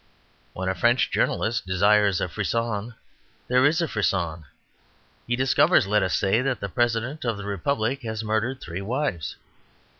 When a French journalist desires a frisson there is a frisson; he discovers, let us say, that the President of the Republic has murdered three wives.